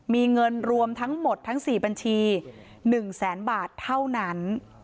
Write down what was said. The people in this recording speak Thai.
มีเงินรวมทั้งหมดทั้ง๔บัญชี๑แสนบาทเท่านั้น